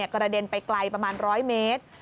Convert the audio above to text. กระเด็นไปไกลประมาณ๑๐๐เมตร